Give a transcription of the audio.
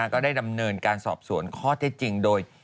ก็ได้ดำเนินการสอบสวนข้อเท็จจริงโดย